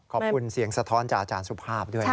ขอบคุณเสียงสะท้อนจากอาจารย์สุภาพด้วย